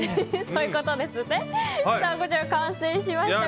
こちら完成しました。